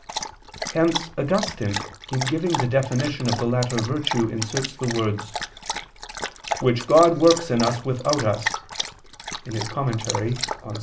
Hence Augustine in giving the definition of the latter virtue inserts the words, "which God works in us without us" (Super Ps.